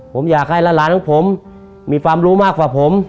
ผมอยากให้หลานของผมมีความรู้มากกว่าผม